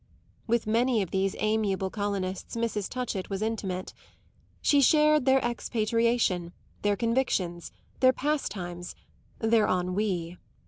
With many of these amiable colonists Mrs. Touchett was intimate; she shared their expatriation, their convictions, their pastimes, their ennui.